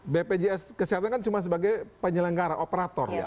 bpjs kesehatan kan cuma sebagai penyelenggara operator ya